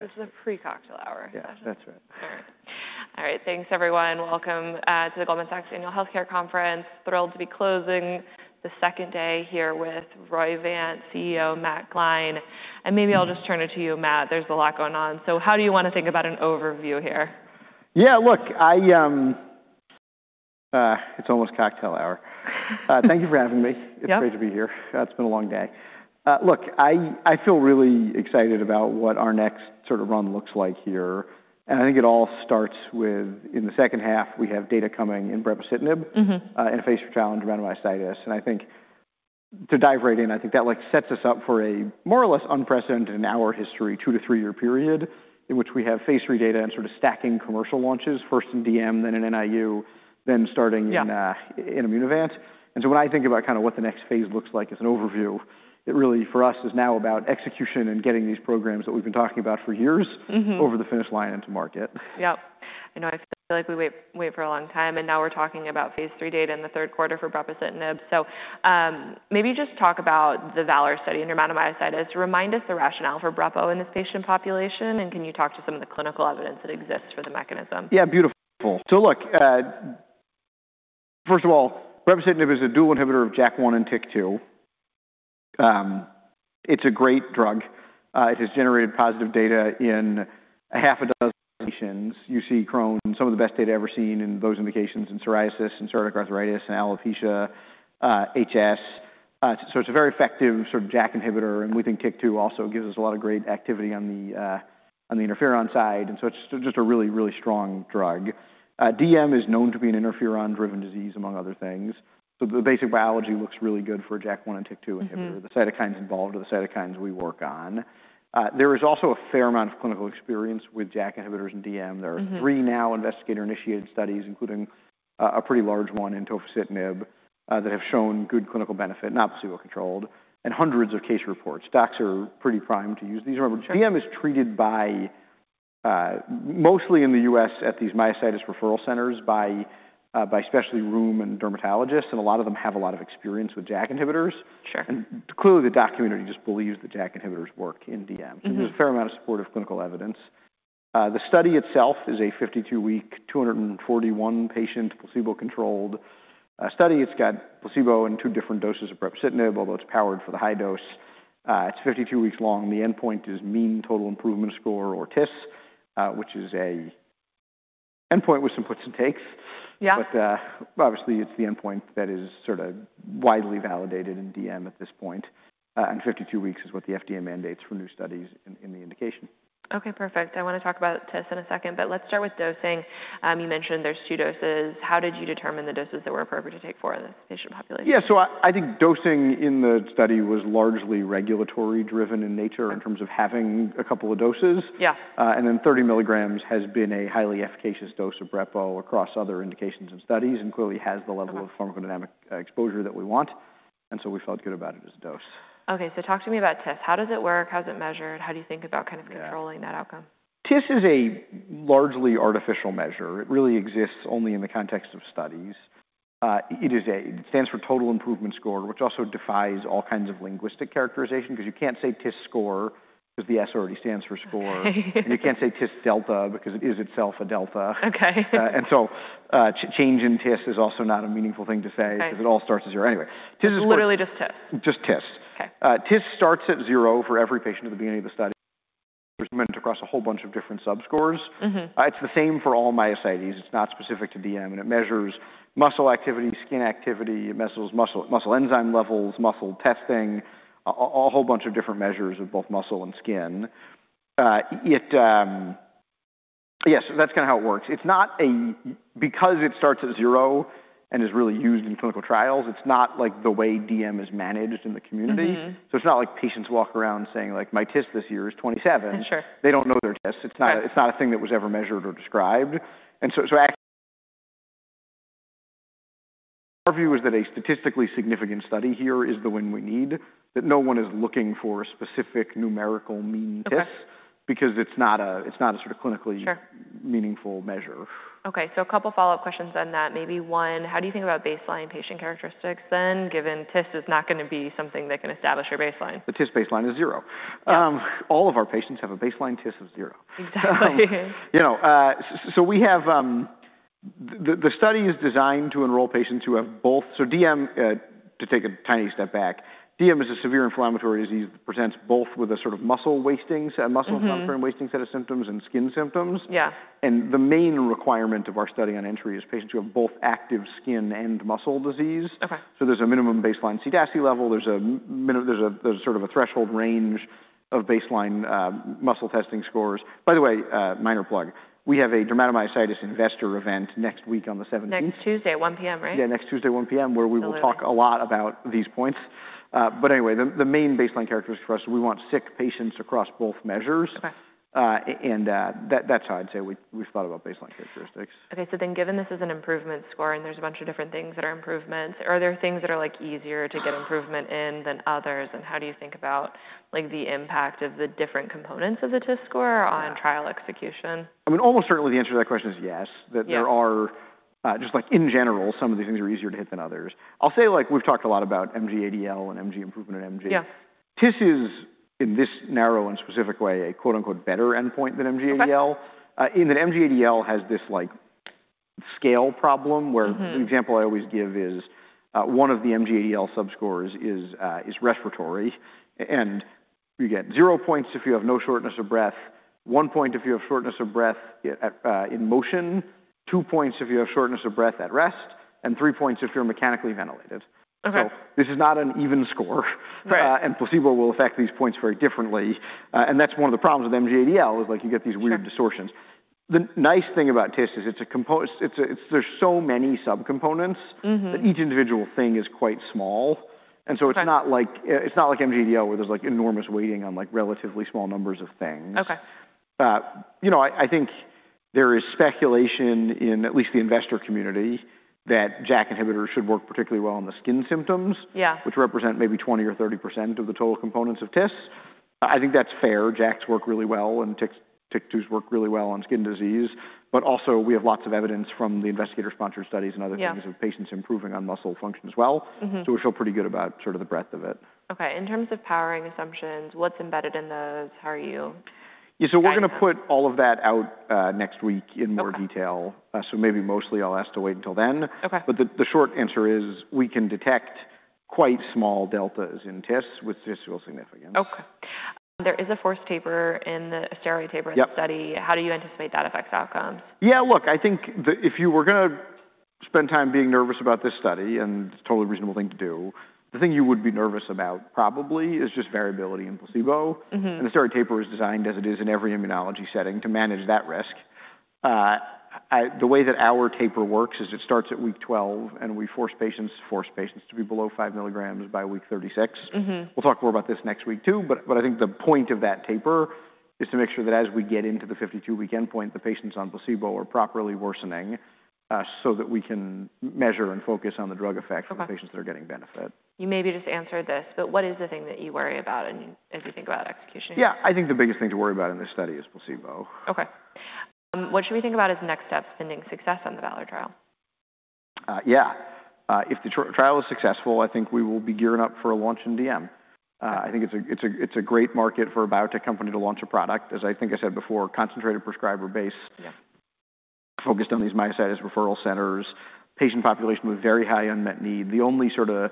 This is a pre-cocktail hour. Yeah, that's right. All right. All right, thanks everyone. Welcome to the Goldman Sachs Annual Healthcare Conference. Thrilled to be closing the second day here with Roivant CEO Matt Gline. Maybe I'll just turn it to you, Matt. There's a lot going on. How do you want to think about an overview here? Yeah, look, it's almost cocktail hour. Thank you for having me. It's great to be here. It's been a long day. Look, I feel really excited about what our next sort of run looks like here. I think it all starts with, in the second half, we have data coming in brepocitinib and a phase III challenge around myositis. I think, to dive right in, I think that sets us up for a more or less unprecedented in our history, two- to three-year period, in which we have phase three data and sort of stacking commercial launches, first in DM, then in NIU, then starting in Immunovant. When I think about kind of what the next phase looks like as an overview, it really for us is now about execution and getting these programs that we've been talking about for years over the finish line into market. Yep. I know I feel like we wait for a long time. Now we're talking about phase three data in the third quarter for brepocitinib. Maybe just talk about the VALOR study in dermatomyositis. Remind us the rationale for brepo in this patient population. Can you talk to some of the clinical evidence that exists for the mechanism? Yeah, beautiful. So look, first of all, brepocitinib is a dual inhibitor of JAK1 and TYK2. It's a great drug. It has generated positive data in a half a dozen patients. You see some of the best data ever seen in those indications in psoriasis and psoriatic arthritis and alopecia, HS. So it's a very effective sort of JAK inhibitor. And we think TYK2 also gives us a lot of great activity on the interferon side. And so it's just a really, really strong drug. DM is known to be an interferon-driven disease among other things. So the basic biology looks really good for JAK1 and TYK2 inhibitor, the cytokines involved, or the cytokines we work on. There is also a fair amount of clinical experience with JAK inhibitors and DM. There are three now investigator-initiated studies, including a pretty large one in tofacitinib, that have shown good clinical benefit, not placebo-controlled, and hundreds of case reports. Docs are pretty primed to use these. DM is treated by mostly in the U.S. at these myositis referral centers by especially rheum and dermatologists. A lot of them have a lot of experience with JAK inhibitors. Clearly, the doc community just believes that JAK inhibitors work in DM. There is a fair amount of supportive clinical evidence. The study itself is a 52-week, 241-patient placebo-controlled study. It has placebo and two different doses of brepocitinib, although it is powered for the high dose. It is 52 weeks long. The endpoint is mean total improvement score, or TIS, which is an endpoint with some puts and takes. Obviously, it is the endpoint that is sort of widely validated in DM at this point. Fifty-two weeks is what the FDA mandates for new studies in the indication. Okay, perfect. I want to talk about TIS in a second. But let's start with dosing. You mentioned there's two doses. How did you determine the doses that were appropriate to take for this patient population? Yeah, so I think dosing in the study was largely regulatory-driven in nature in terms of having a couple of doses. 30 mg has been a highly efficacious dose of brepocitinib across other indications and studies, and clearly has the level of pharmacodynamic exposure that we want. We felt good about it as a dose. Okay, so talk to me about TIS. How does it work? How's it measured? How do you think about kind of controlling that outcome? TIS is a largely artificial measure. It really exists only in the context of studies. It stands for total improvement score, which also defies all kinds of linguistic characterization because you can't say TIS score because the S already stands for score. And you can't say TIS delta because it is itself a delta. And so change in TIS is also not a meaningful thing to say because it all starts at zero. Anyway, TIS is what? Literally just TIS. Just TIS. TIS starts at zero for every patient at the beginning of the study. It's meant to cross a whole bunch of different subscores. It's the same for all myositis. It's not specific to DM. And it measures muscle activity, skin activity, muscle enzyme levels, muscle testing, a whole bunch of different measures of both muscle and skin. Yes, that's kind of how it works. Because it starts at zero and is really used in clinical trials, it's not like the way DM is managed in the community. So it's not like patients walk around saying, "My TIS this year is 27." They don't know their TIS. It's not a thing that was ever measured or described. Our view is that a statistically significant study here is the one we need, that no one is looking for a specific numerical mean TIS because it's not a sort of clinically meaningful measure. Okay, so a couple of follow-up questions on that. Maybe one, how do you think about baseline patient characteristics then given TIS is not going to be something that can establish your baseline? The TIS baseline is zero. All of our patients have a baseline TIS of zero. Exactly. The study is designed to enroll patients who have both. To take a tiny step back, DM is a severe inflammatory disease that presents both with a sort of muscle wasting, muscle non-prone wasting set of symptoms and skin symptoms. The main requirement of our study on entry is patients who have both active skin and muscle disease. There is a minimum baseline CDACI level. There is a threshold range of baseline muscle testing scores. By the way, minor plug, we have a dermatomyositis investor event next week on the 17th. Next Tuesday at 1:00 P.M., right? Yeah, next Tuesday at 1:00 P.M. where we will talk a lot about these points. Anyway, the main baseline characteristics for us is we want sick patients across both measures. That's how I'd say we've thought about baseline characteristics. Okay, so then given this is an improvement score and there's a bunch of different things that are improvements, are there things that are easier to get improvement in than others? How do you think about the impact of the different components of the TIS score on trial execution? I mean, almost certainly the answer to that question is yes, that there are just like in general, some of these things are easier to hit than others. I'll say we've talked a lot about MG-ADL and MG improvement and MG. TIS is, in this narrow and specific way, a "better" endpoint than MG-ADL. MG-ADL has this scale problem where the example I always give is one of the MG-ADL subscores is respiratory. You get zero points if you have no shortness of breath, one point if you have shortness of breath in motion, two points if you have shortness of breath at rest, and three points if you're mechanically ventilated. This is not an even score. Placebo will affect these points very differently. That is one of the problems with MG-ADL, you get these weird distortions. The nice thing about TIS is there's so many subcomponents that each individual thing is quite small. It is not like MG-ADL where there's enormous weighting on relatively small numbers of things. I think there is speculation in at least the investor community that JAK inhibitors should work particularly well on the skin symptoms, which represent maybe 20% or 30% of the total components of TIS. I think that's fair. JAKs work really well and TYK2s work really well on skin disease. Also, we have lots of evidence from the investigator-sponsored studies and other things of patients improving on muscle function as well. We feel pretty good about sort of the breadth of it. Okay, in terms of powering assumptions, what's embedded in those? How are you? Yeah, so we're going to put all of that out next week in more detail. So maybe mostly I'll ask to wait until then. But the short answer is we can detect quite small deltas in TIS with statistical significance. Okay. There is a forced taper in the steroid taper study. How do you anticipate that affects outcomes? Yeah, look, I think if you were going to spend time being nervous about this study, and it's a totally reasonable thing to do, the thing you would be nervous about probably is just variability in placebo. The steroid taper is designed as it is in every immunology setting to manage that risk. The way that our taper works is it starts at week 12 and we force patients to be below 5 mg by week 36. We'll talk more about this next week too. I think the point of that taper is to make sure that as we get into the 52-week endpoint, the patients on placebo are properly worsening so that we can measure and focus on the drug effects for patients that are getting benefit. You maybe just answered this, but what is the thing that you worry about as you think about execution? Yeah, I think the biggest thing to worry about in this study is placebo. Okay. What should we think about as next steps pending success on the VALOR trial? Yeah, if the trial is successful, I think we will be gearing up for a launch in DM. I think it's a great market for a biotech company to launch a product. As I think I said before, concentrated prescriber-based, focused on these myositis referral centers, patient population with very high unmet need. The only sort of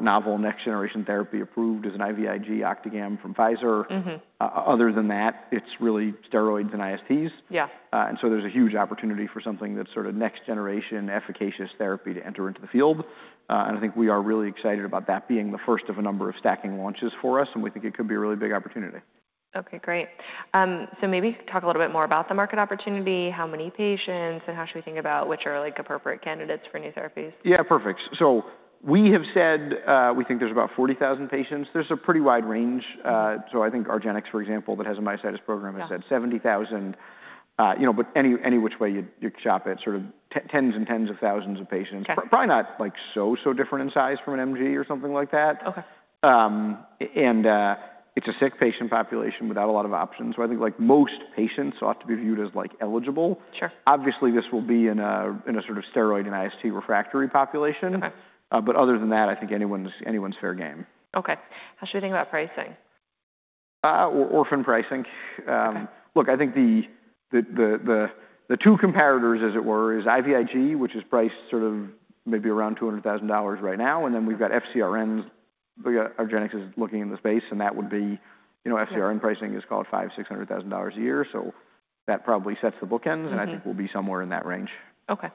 "novel next-generation therapy" approved is an IVIG, OCTAGAM from Pfizer. Other than that, it's really steroids and ISTs. There is a huge opportunity for something that's sort of next-generation efficacious therapy to enter into the field. I think we are really excited about that being the first of a number of stacking launches for us. We think it could be a really big opportunity. Okay, great. Maybe talk a little bit more about the market opportunity, how many patients, and how should we think about which are appropriate candidates for new therapies? Yeah, perfect. We have said we think there's about 40,000 patients. There's a pretty wide range. I think Argenx, for example, that has a myasthenia program, has had 70,000. Any which way you shop it, sort of tens and tens of thousands of patients. Probably not so, so different in size from an MG or something like that. It's a sick patient population without a lot of options. I think most patients ought to be viewed as eligible. Obviously, this will be in a sort of steroid and IST refractory population. Other than that, I think anyone's fair game. Okay. How should we think about pricing? Orphan pricing. Look, I think the two comparators, as it were, is IVIG, which is priced sort of maybe around $200,000 right now. And then we've got FcRns. Argenx is looking in the space. And that would be FcRn pricing is called $500,000-$600,000 a year. So that probably sets the bookends. And I think we'll be somewhere in that range. Okay.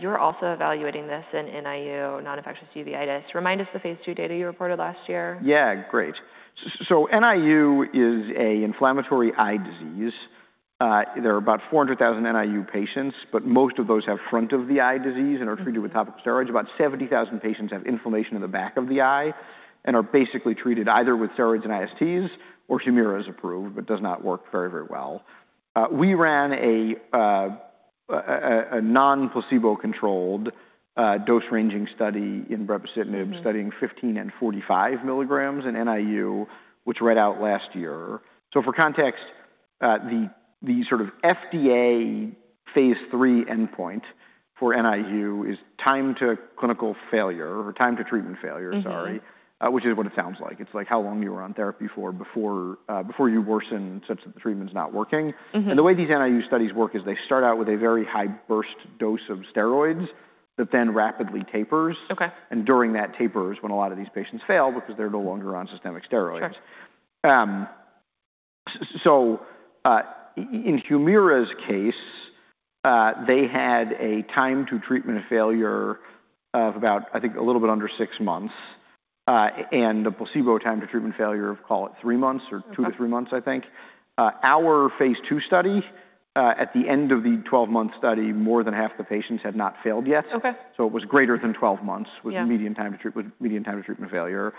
You're also evaluating this in NIU, non-infectious uveitis. Remind us the phase II data you reported last year. Yeah, great. NIU is an inflammatory eye disease. There are about 400,000 NIU patients, but most of those have front of the eye disease and are treated with topical steroids. About 70,000 patients have inflammation in the back of the eye and are basically treated either with steroids and ISTs or HUMIRA is approved, but does not work very, very well. We ran a non-placebo-controlled dose-ranging study in brepocitinib studying 15 and 45 milligrams in NIU, which read out last year. For context, the sort of FDA phase III endpoint for NIU is time to clinical failure or time to treatment failure, sorry, which is what it sounds like. It is like how long you were on therapy before you worsen such that the treatment's not working. The way these NIU studies work is they start out with a very high burst dose of steroids that then rapidly tapers. During that taper is when a lot of these patients fail because they're no longer on systemic steroids. In HUMIRA's case, they had a time to treatment failure of about, I think, a little bit under six months. The placebo time to treatment failure of, call it, three months or two moths-three months, I think. Our phase II study, at the end of the 12-month study, more than half the patients had not failed yet. It was greater than 12 months was the median time to treatment failure.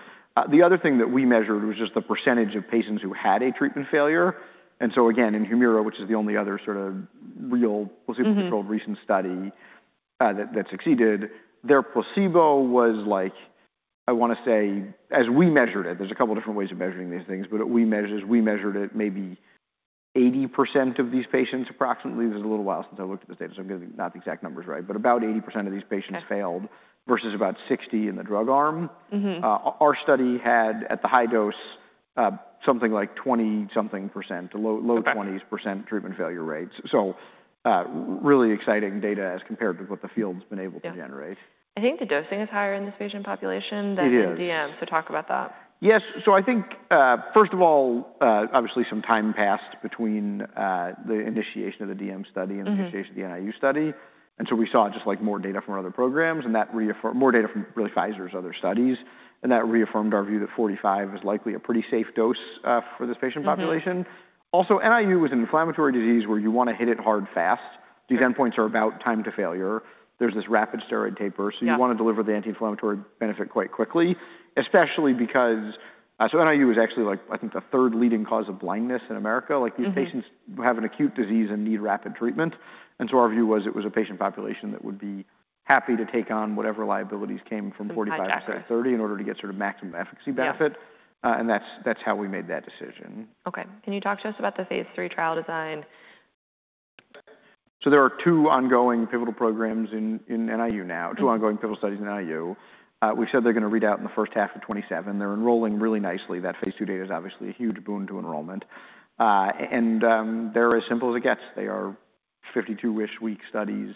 The other thing that we measured was just the percentage of patients who had a treatment failure. In HUMIRA, which is the only other sort of real placebo-controlled recent study that succeeded, their placebo was like, I want to say, as we measured it, there are a couple of different ways of measuring these things. We measured it maybe 80% of these patients approximately. This is a little while since I looked at the data. I am not going to get the exact numbers right, but about 80% of these patients failed versus about 60% in the drug arm. Our study had at the high dose something like 20-something percent, low 20s percent treatment failure rates. Really exciting data as compared to what the field's been able to generate. I think the dosing is higher in this patient population than in DM. So talk about that. Yes. I think, first of all, obviously some time passed between the initiation of the DM study and the initiation of the NIU study. We saw just more data from our other programs and more data from really Pfizer's other studies. That reaffirmed our view that 45 is likely a pretty safe dose for this patient population. Also, NIU is an inflammatory disease where you want to hit it hard, fast. These endpoints are about time to failure. There is this rapid steroid taper. You want to deliver the anti-inflammatory benefit quite quickly, especially because NIU is actually, I think, the third leading cause of blindness in America. These patients have an acute disease and need rapid treatment. Our view was it was a patient population that would be happy to take on whatever liabilities came from 45 instead of 30 in order to get sort of maximum efficacy benefit. That is how we made that decision. Okay. Can you talk to us about the phase III trial design? There are two ongoing pivotal programs in NIU now, two ongoing pivotal studies in NIU. We've said they're going to read out in the first half of 2027. They're enrolling really nicely. That phase two data is obviously a huge boon to enrollment. They're as simple as it gets. They are 52-ish week studies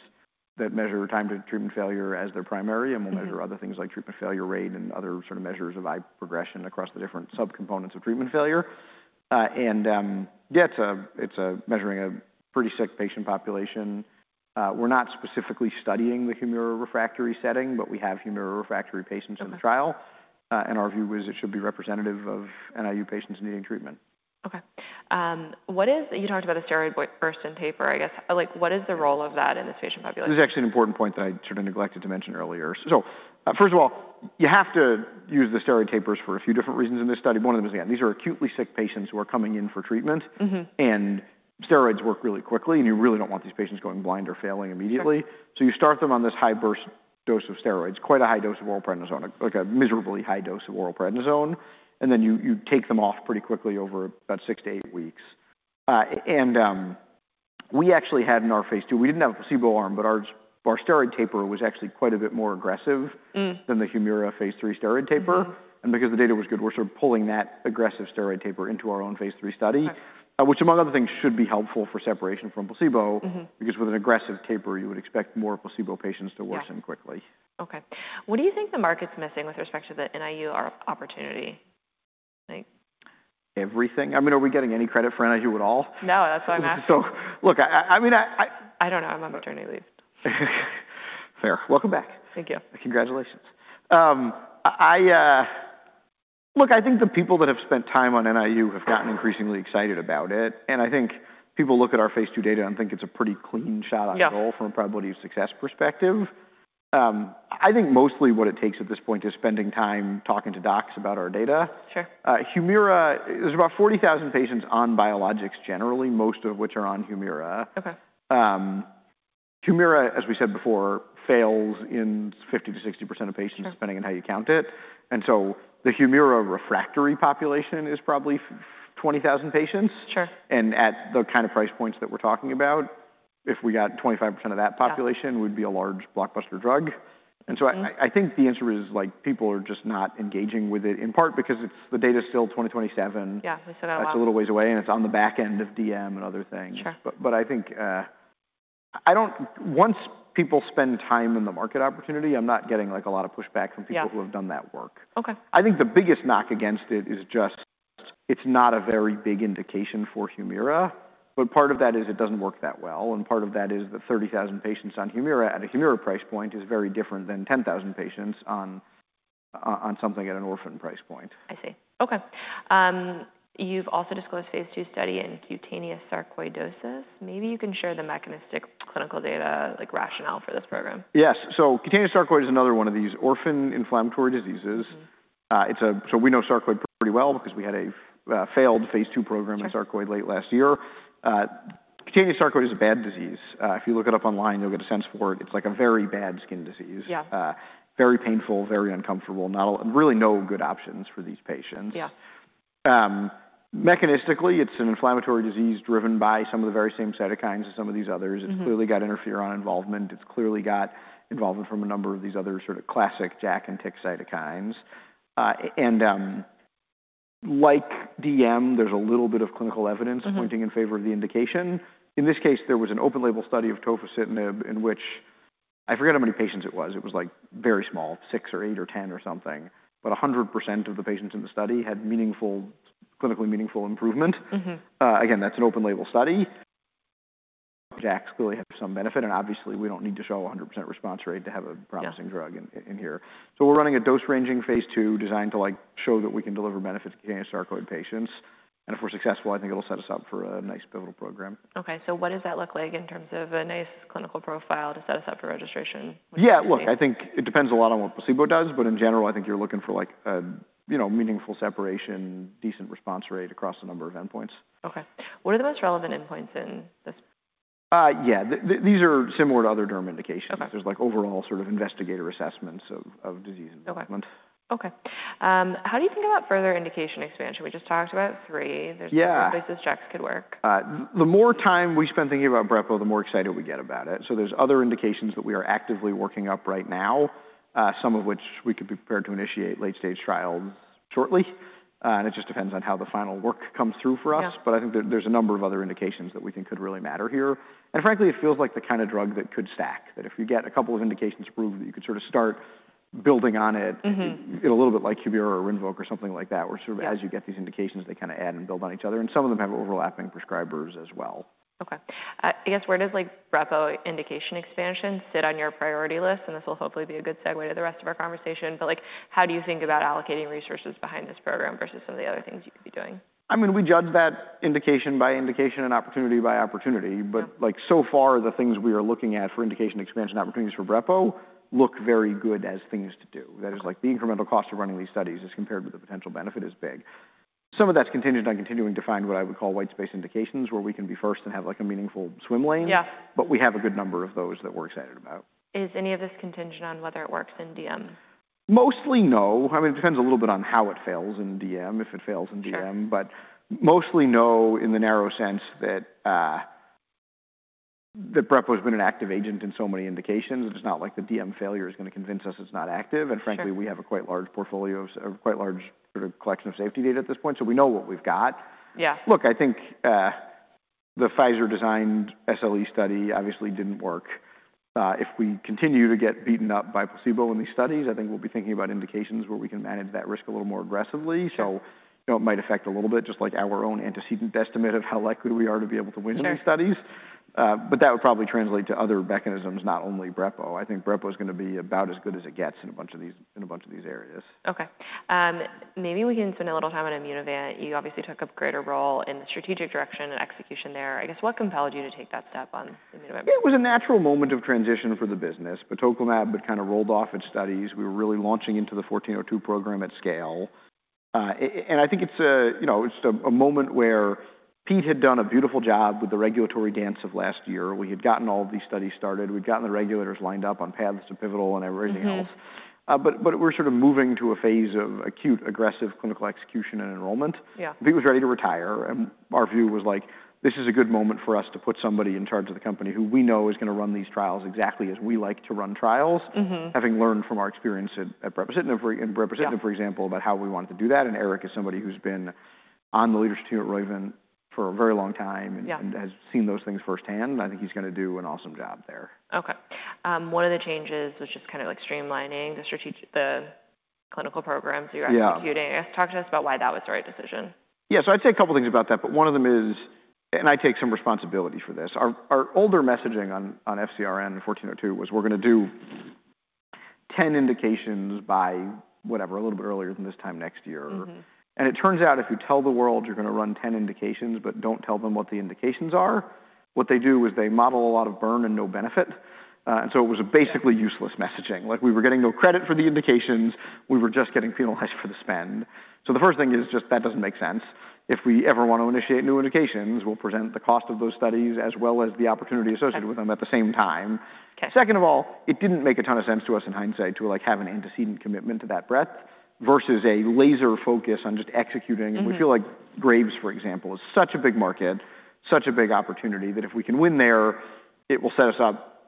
that measure time to treatment failure as their primary and will measure other things like treatment failure rate and other sort of measures of eye progression across the different subcomponents of treatment failure. Yeah, it's measuring a pretty sick patient population. We're not specifically studying the HUMIRA refractory setting, but we have HUMIRA refractory patients in the trial. Our view was it should be representative of NIU patients needing treatment. Okay. You talked about the steroid burst and taper, I guess. What is the role of that in this patient population? This is actually an important point that I sort of neglected to mention earlier. First of all, you have to use the steroid tapers for a few different reasons in this study. One of them is, again, these are acutely sick patients who are coming in for treatment. Steroids work really quickly. You really do not want these patients going blind or failing immediately. You start them on this high burst dose of steroids, quite a high dose of oral prednisone, like a miserably high dose of oral prednisone. Then you take them off pretty quickly over about six weeks-eight weeks. We actually had in our phase II, we did not have a placebo arm, but our steroid taper was actually quite a bit more aggressive than the HUMIRA phase III steroid taper. Because the data was good, we're sort of pulling that aggressive steroid taper into our own phase III study, which among other things should be helpful for separation from placebo because with an aggressive taper, you would expect more placebo patients to worsen quickly. Okay. What do you think the market's missing with respect to the NIU opportunity? Everything. I mean, are we getting any credit for NIU at all? No, that's what I'm asking. Look, I mean. I don't know. I'm on maternity leave. Fair. Welcome back. Thank you. Congratulations. Look, I think the people that have spent time on NIU have gotten increasingly excited about it. I think people look at our phase II data and think it's a pretty clean shot on goal from a probability of success perspective. I think mostly what it takes at this point is spending time talking to docs about our data. HUMIRA, there's about 40,000 patients on biologics generally, most of which are on HUMIRA. HUMIRA, as we said before, fails in 50%-60% of patients depending on how you count it. The HUMIRA refractory population is probably 20,000 patients. At the kind of price points that we're talking about, if we got 25% of that population, it would be a large blockbuster drug. I think the answer is people are just not engaging with it in part because the data's still 2027. Yeah, we said that once. It's a little ways away. It's on the back end of DM and other things. I think once people spend time in the market opportunity, I'm not getting a lot of pushback from people who have done that work. I think the biggest knock against it is just it's not a very big indication for HUMIRA. Part of that is it doesn't work that well. Part of that is the 30,000 patients on HUMIRA at a HUMIRA price point is very different than 10,000 patients on something at an orphan price point. I see. Okay. You've also disclosed phase II study in cutaneous sarcoidosis. Maybe you can share the mechanistic clinical data rationale for this program. Yes. Cutaneous sarcoid is another one of these orphan inflammatory diseases. We know sarcoid pretty well because we had a failed phase II program in sarcoid late last year. Cutaneous sarcoid is a bad disease. If you look it up online, you'll get a sense for it. It's like a very bad skin disease. Very painful, very uncomfortable, and really no good options for these patients. Mechanistically, it's an inflammatory disease driven by some of the very same cytokines as some of these others. It's clearly got interferon involvement. It's clearly got involvement from a number of these other sort of classic JAK and TYK2 cytokines. Like DM, there's a little bit of clinical evidence pointing in favor of the indication. In this case, there was an open label study of tofacitinib in which I forget how many patients it was. It was like very small, 6 or 8 or 10 or something. But 100% of the patients in the study had clinically meaningful improvement. Again, that's an open label study. JAKs clearly have some benefit. Obviously, we don't need to show a 100% response rate to have a promising drug in here. We're running a dose-ranging phase II designed to show that we can deliver benefits to cutaneous sarcoid patients. If we're successful, I think it'll set us up for a nice pivotal program. Okay. So what does that look like in terms of a nice clinical profile to set us up for registration? Yeah. Look, I think it depends a lot on what placebo does. In general, I think you're looking for a meaningful separation, decent response rate across a number of endpoints. Okay. What are the most relevant endpoints in this? Yeah. These are similar to other derm indications. There's overall sort of investigator assessments of disease involvement. Okay. How do you think about further indication expansion? We just talked about three. There are different places JAKs could work. The more time we spend thinking about brepo, the more excited we get about it. There are other indications that we are actively working up right now, some of which we could be prepared to initiate late-stage trials shortly. It just depends on how the final work comes through for us. I think there are a number of other indications that we think could really matter here. Frankly, it feels like the kind of drug that could stack, that if you get a couple of indications approved, you could sort of start building on it a little bit like HUMIRA or Enbrel or something like that, where as you get these indications, they kind of add and build on each other. Some of them have overlapping prescribers as well. Okay. I guess where does brepo indication expansion sit on your priority list? This will hopefully be a good segue to the rest of our conversation. How do you think about allocating resources behind this program versus some of the other things you could be doing? I mean, we judge that indication by indication and opportunity by opportunity. But so far, the things we are looking at for indication expansion opportunities for brepo look very good as things to do. That is, like, the incremental cost of running these studies compared with the potential benefit is big. Some of that is contingent on continuing to find what I would call white space indications where we can be first and have a meaningful swim lane. But we have a good number of those that we're excited about. Is any of this contingent on whether it works in DM? Mostly no. I mean, it depends a little bit on how it fails in DM, if it fails in DM. Mostly no in the narrow sense that Brevo has been an active agent in so many indications. It's not like the DM failure is going to convince us it's not active. Frankly, we have a quite large portfolio, a quite large sort of collection of safety data at this point. We know what we've got. Look, I think the Pfizer-designed SLE study obviously didn't work. If we continue to get beaten up by placebo in these studies, I think we'll be thinking about indications where we can manage that risk a little more aggressively. It might affect a little bit just like our own antecedent estimate of how likely we are to be able to win these studies. That would probably translate to other mechanisms, not only brepo. I think brepo is going to be about as good as it gets in a bunch of these areas. Okay. Maybe we can spend a little time on Immunovant. You obviously took a greater role in the strategic direction and execution there. I guess what compelled you to take that step on Immunovant? It was a natural moment of transition for the business. Batoclimab had kind of rolled off its studies. We were really launching into the 1402 program at scale. I think it is just a moment where Pete had done a beautiful job with the regulatory dance of last year. We had gotten all of these studies started. We had gotten the regulators lined up on paths to pivotal and everything else. We are sort of moving to a phase of acute aggressive clinical execution and enrollment. Pete was ready to retire. Our view was like, this is a good moment for us to put somebody in charge of the company who we know is going to run these trials exactly as we like to run trials, having learned from our experience at brepocitinib, for example, about how we wanted to do that. Eric is somebody who's been on the leadership team at Roivant for a very long time and has seen those things firsthand. I think he's going to do an awesome job there. Okay. One of the changes was just kind of streamlining the clinical programs you're executing. Talk to us about why that was the right decision. Yeah. I'd say a couple of things about that. One of them is, and I take some responsibility for this. Our older messaging on FcRn 1402 was we're going to do 10 indications by whatever, a little bit earlier than this time next year. It turns out if you tell the world you're going to run 10 indications, but do not tell them what the indications are, what they do is they model a lot of burn and no benefit. It was basically useless messaging. We were getting no credit for the indications. We were just getting penalized for the spend. The first thing is just that does not make sense. If we ever want to initiate new indications, we'll present the cost of those studies as well as the opportunity associated with them at the same time. Second of all, it did not make a ton of sense to us in hindsight to have an antecedent commitment to that breadth versus a laser focus on just executing. We feel like Graves', for example, is such a big market, such a big opportunity that if we can win there, it will set us up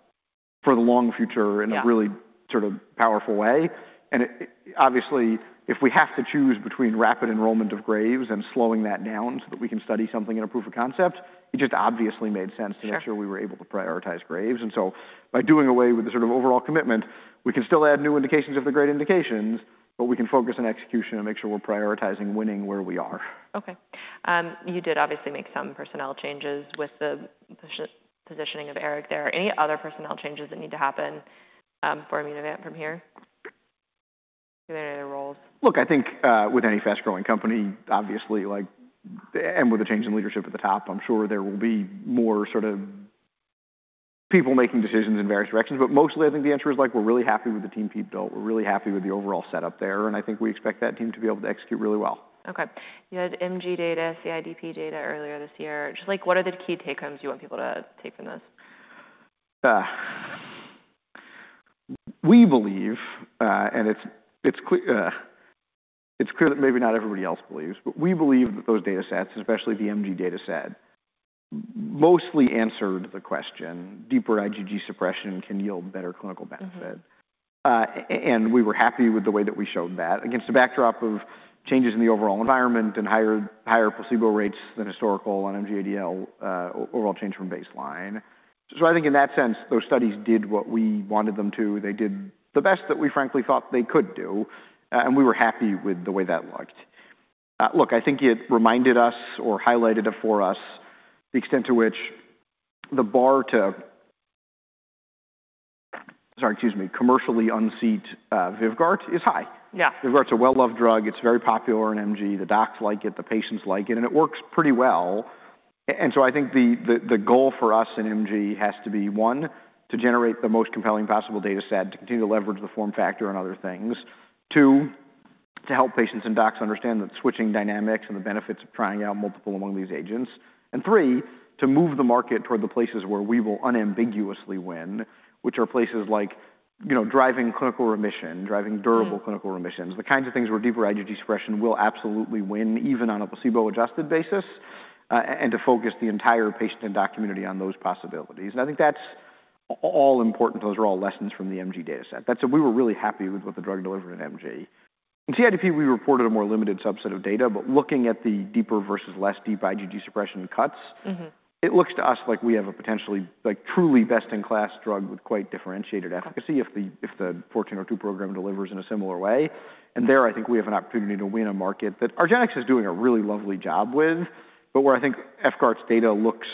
for the long future in a really sort of powerful way. Obviously, if we have to choose between rapid enrollment of Graves' and slowing that down so that we can study something in a proof of concept, it just obviously made sense to make sure we were able to prioritize Graves'. By doing away with the sort of overall commitment, we can still add new indications if they are great indications, but we can focus on execution and make sure we are prioritizing winning where we are. Okay. You did obviously make some personnel changes with the positioning of Eric there. Any other personnel changes that need to happen for Immunovant from here? Do they need any roles? Look, I think with any fast-growing company, obviously, and with a change in leadership at the top, I'm sure there will be more sort of people making decisions in various directions. Mostly, I think the answer is we're really happy with the team Pete built. We're really happy with the overall setup there. I think we expect that team to be able to execute really well. Okay. You had MG data, CIDP data earlier this year. Just what are the key take homes you want people to take from this? We believe, and it's clear that maybe not everybody else believes, but we believe that those data sets, especially the MG data set, mostly answered the question. Deeper IgG suppression can yield better clinical benefit. We were happy with the way that we showed that against a backdrop of changes in the overall environment and higher placebo rates than historical on MG-ADL, overall change from baseline. I think in that sense, those studies did what we wanted them to. They did the best that we frankly thought they could do. We were happy with the way that looked. Look, I think it reminded us or highlighted for us the extent to which the bar to, sorry, excuse me, commercially unseat VYVGART is high. VYVGART's a well-loved drug. It's very popular in MG. The docs like it. The patients like it. It works pretty well. I think the goal for us in MG has to be, one, to generate the most compelling possible data set to continue to leverage the form factor and other things. Two, to help patients and docs understand the switching dynamics and the benefits of trying out multiple among these agents. Three, to move the market toward the places where we will unambiguously win, which are places like driving clinical remission, driving durable clinical remissions, the kinds of things where deeper IgG suppression will absolutely win even on a placebo-adjusted basis, and to focus the entire patient and doc community on those possibilities. I think that's all important. Those are all lessons from the MG data set. We were really happy with what the drug delivered in MG. In CIDP, we reported a more limited subset of data. Looking at the deeper versus less deep IgG suppression cuts, it looks to us like we have a potentially truly best-in-class drug with quite differentiated efficacy if the 1402 program delivers in a similar way. There, I think we have an opportunity to win a market that Argenx is doing a really lovely job with, but where I think efgart's data looks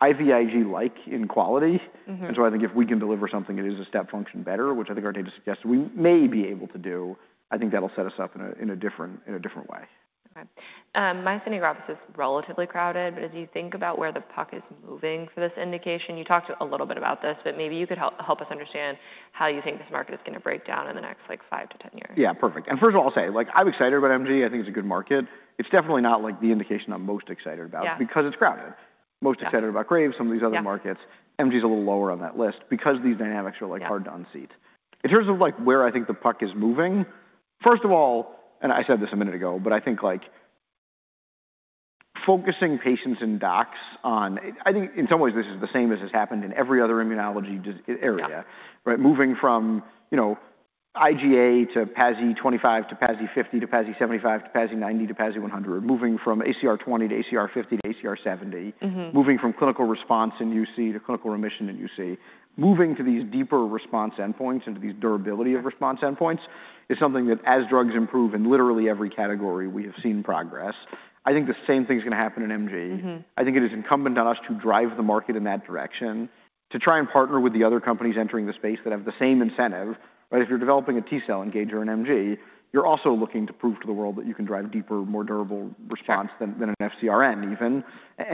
IVIG-like in quality. I think if we can deliver something that is a step function better, which I think our data suggests we may be able to do, I think that'll set us up in a different way. Okay. Myasthenia gravis is relatively crowded. But as you think about where the puck is moving for this indication, you talked a little bit about this. But maybe you could help us understand how you think this market is going to break down in the next 5 years-10 years. Yeah. Perfect. First of all, I'll say I'm excited about MG. I think it's a good market. It's definitely not the indication I'm most excited about because it's crowded. Most excited about Graves', some of these other markets. MG is a little lower on that list because these dynamics are hard to unseat. In terms of where I think the puck is moving, first of all, and I said this a minute ago, but I think focusing patients and docs on, I think in some ways, this is the same as has happened in every other immunology area, moving from IgA to PASI 25 to PASI 50 to PASI 75 to PASI 90 to PASI 100, moving from ACR 20 to ACR 50 to ACR 70, moving from clinical response in UC to clinical remission in UC, moving to these deeper response endpoints and to these durability of response endpoints is something that as drugs improve in literally every category, we have seen progress. I think the same thing is going to happen in MG. I think it is incumbent on us to drive the market in that direction, to try and partner with the other companies entering the space that have the same incentive. If you're developing a T-cell engager in MG, you're also looking to prove to the world that you can drive deeper, more durable response than an FcRn even.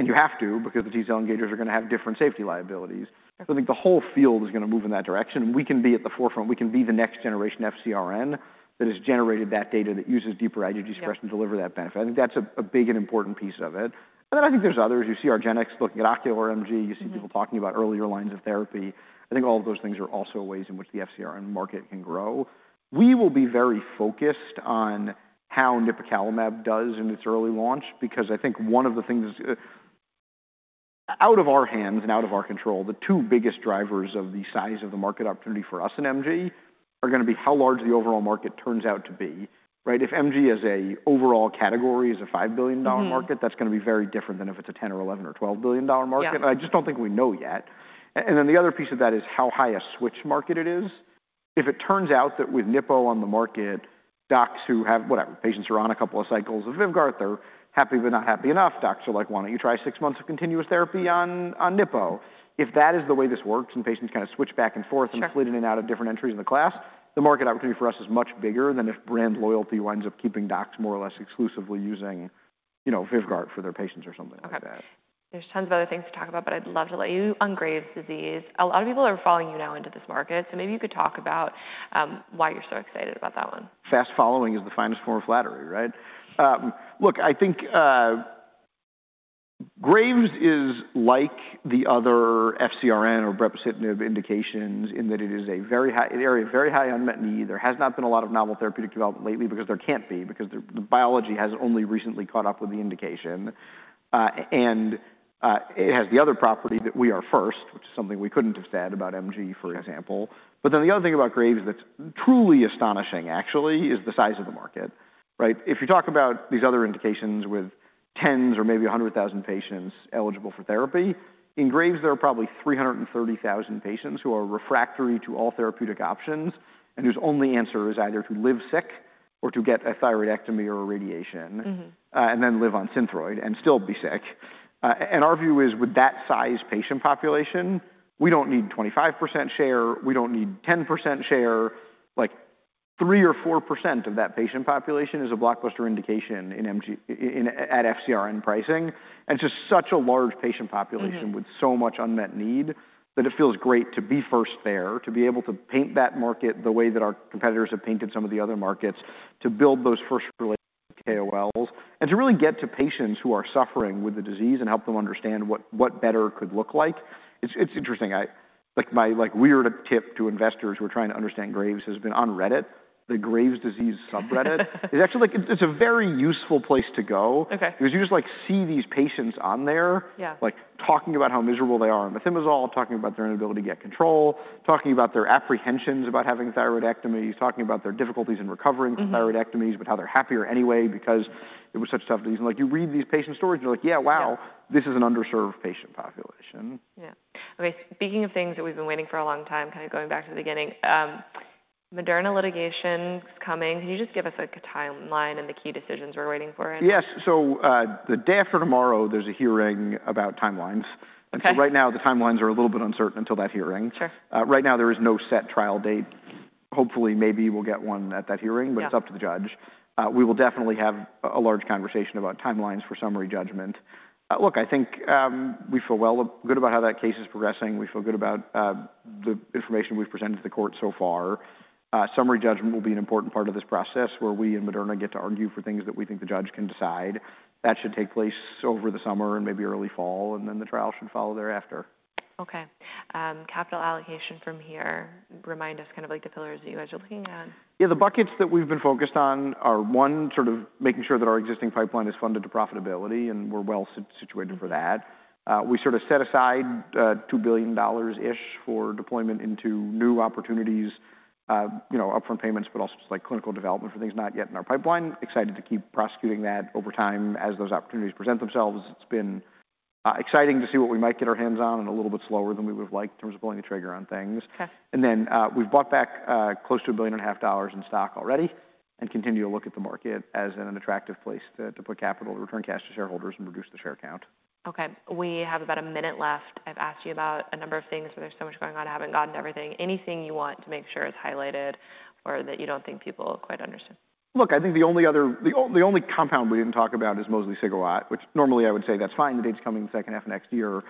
You have to because the T-cell engagers are going to have different safety liabilities. I think the whole field is going to move in that direction. We can be at the forefront. We can be the next generation FcRn that has generated that data that uses deeper IgG suppression to deliver that benefit. I think that's a big and important piece of it. I think there's others. You see Argenx looking at ocular MG. You see people talking about earlier lines of therapy. I think all of those things are also ways in which the FcRn market can grow. We will be very focused on how nipocalimab does in its early launch because I think one of the things out of our hands and out of our control, the two biggest drivers of the size of the market opportunity for us in MG are going to be how large the overall market turns out to be. If MG as an overall category is a $5 billion market, that's going to be very different than if it's a $10 billion, $11 billion, or $12 billion market. I just don't think we know yet. The other piece of that is how high a switch market it is. If it turns out that with nipo on the market, docs who have, whatever, patients are on a couple of cycles of VYVGART, they're happy but not happy enough. Docs are like, "Why don't you try six months of continuous therapy on nipo?" If that is the way this works and patients kind of switch back and forth and split in and out of different entries in the class, the market opportunity for us is much bigger than if brand loyalty winds up keeping docs more or less exclusively using VYVGART for their patients or something like that. are tons of other things to talk about, but I'd love to let you on Graves' disease. A lot of people are following you now into this market. Maybe you could talk about why you're so excited about that one. Fast following is the finest form of flattery, right? Look, I think Graves' is like the other FcRn or brepocitinib indications in that it is an area of very high unmet need. There has not been a lot of novel therapeutic development lately because there cannot be because the biology has only recently caught up with the indication. It has the other property that we are first, which is something we could not have said about MG, for example. The other thing about Graves' that is truly astonishing, actually, is the size of the market. If you talk about these other indications with tens or maybe 100,000 patients eligible for therapy, in Graves', there are probably 330,000 patients who are refractory to all therapeutic options and whose only answer is either to live sick or to get a thyroidectomy or radiation and then live on SYNTHEROID and still be sick. Our view is with that size patient population, we do not need 25% share. We do not need 10% share. 3% or 4% of that patient population is a blockbuster indication at FcRn pricing. It is just such a large patient population with so much unmet need that it feels great to be first there, to be able to paint that market the way that our competitors have painted some of the other markets, to build those first-related KOLs, and to really get to patients who are suffering with the disease and help them understand what better could look like. It is interesting. My weird tip to investors who are trying to understand Graves' has been on Reddit, the Graves' Disease subreddit. It is a very useful place to go because you just see these patients on there talking about how miserable they are on methimazole, talking about their inability to get control, talking about their apprehensions about having thyroidectomies, talking about their difficulties in recovering from thyroidectomies, but how they are happier anyway because it was such a tough disease. You read these patient stories, and you're like, "Yeah, wow, this is an underserved patient population. Yeah. Okay. Speaking of things that we've been waiting for a long time, kind of going back to the beginning, Moderna litigation is coming. Can you just give us a timeline and the key decisions we're waiting for? Yes. The day after tomorrow, there's a hearing about timelines. Right now, the timelines are a little bit uncertain until that hearing. Right now, there is no set trial date. Hopefully, maybe we'll get one at that hearing, but it's up to the judge. We will definitely have a large conversation about timelines for summary judgment. Look, I think we feel good about how that case is progressing. We feel good about the information we've presented to the court so far. Summary judgment will be an important part of this process where we and Moderna get to argue for things that we think the judge can decide. That should take place over the summer and maybe early fall. The trial should follow thereafter. Okay. Capital allocation from here. Remind us kind of the pillars that you guys are looking at. Yeah. The buckets that we've been focused on are, one, sort of making sure that our existing pipeline is funded to profitability, and we're well situated for that. We sort of set aside $2 billion-ish for deployment into new opportunities, upfront payments, but also clinical development for things not yet in our pipeline. Excited to keep prosecuting that over time as those opportunities present themselves. It's been exciting to see what we might get our hands on and a little bit slower than we would have liked in terms of pulling the trigger on things. We have bought back close to $1.5 billion in stock already and continue to look at the market as an attractive place to put capital, return cash to shareholders, and reduce the share count. Okay. We have about a minute left. I've asked you about a number of things, but there's so much going on. I haven't gotten to everything. Anything you want to make sure is highlighted or that you don't think people quite understand? Look, I think the only compound we did not talk about is mosliciguat, which normally I would say that is fine. The data is coming in the second half of next year.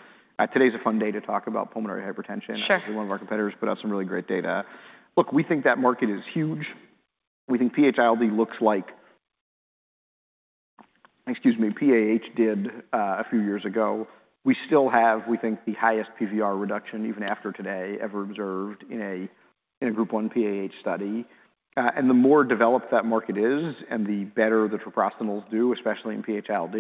Today is a fun day to talk about pulmonary hypertension. One of our competitors put out some really great data. Look, we think that market is huge. We think PH-ILD looks like PAH did a few years ago. We still have, we think, the highest PVR reduction even after today ever observed in a Group 1 PAH study. The more developed that market is and the better the treprostinils do, especially in PH-ILD,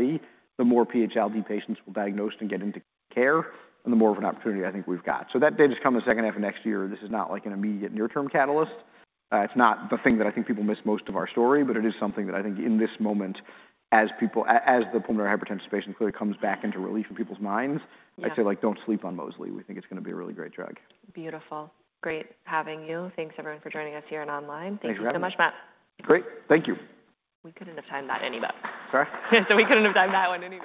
the more PH-ILD patients we will diagnose and get into care, and the more of an opportunity I think we have got. That data is coming in the second half of next year. This is not an immediate near-term catalyst. It's not the thing that I think people miss most of our story, but it is something that I think in this moment, as the pulmonary hypertension patient clearly comes back into relief in people's minds, I'd say don't sleep on mosliciguat. We think it's going to be a really great drug. Beautiful. Great having you. Thanks, everyone, for joining us here and online. Thank you so much, Matt. Great. Thank you. We couldn't have timed that any better. Sorry? We couldn't have timed that one any.